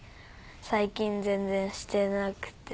最近全然していなくて。